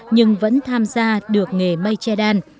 nhưng vẫn tham gia được nghề mây che đan